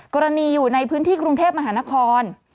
กรณีอยู่ในพื้นที่กรุงเทพมหานคร